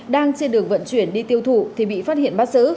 đang trên đường vận chuyển đi tiêu thụ thì bị phát hiện bắt giữ